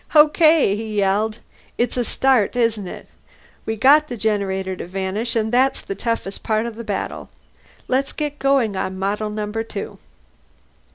"Okay," he yelled. "It's a start, isn't it? We got the generator to vanish, and that's the toughest part of the battle. Let's get going on Model Number Two."